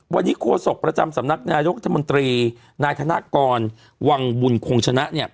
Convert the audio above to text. วันนี้โฆษกประจำสำนักนายกรัฐมนตรีนายธนกรวังบุญคงชนะเนี่ย